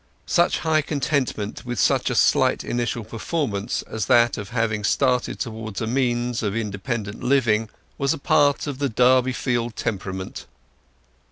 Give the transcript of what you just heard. Such high contentment with such a slight initial performance as that of having started towards a means of independent living was a part of the Durbeyfield temperament.